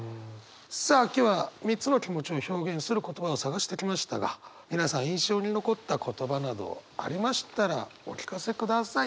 さあ今日は３つの気持ちを表現する言葉を探してきましたが皆さん印象に残った言葉などありましたらお聞かせください。